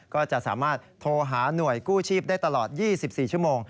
ก็จะสามารถโทรหาหน่วยกู้ชีพได้ตลอด๒๔ชั่วโมง